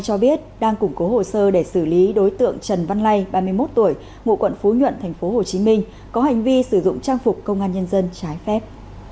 cho biết đang củng cố hồ sơ để xử lý đối tượng trần văn lay ba mươi một tuổi ngụ quận phú nhuận tp hcm có hành vi sử dụng trang phục công an nhân dân trái phép